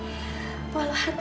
kamila masih aman fadli